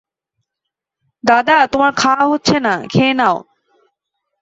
দাদা, তোমার খাওয়া হচ্ছে না, খেয়ে নাও।